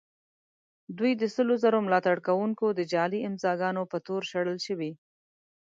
دوی د سلو زرو ملاتړ کوونکو د جعلي امضاء ګانو په تور شړل شوي.